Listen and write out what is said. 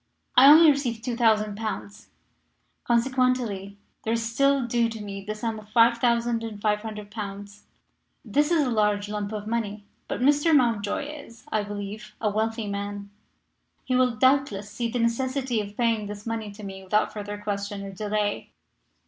I only received 2,000 pounds, consequently there is still due to me the sum of 5,500 pounds. This is a large lump of money. But Mr. Mountjoy is, I believe, a wealthy man. He will, doubtless, see the necessity of paying this money to me without further question or delay.